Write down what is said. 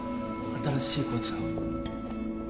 新しいコーチの。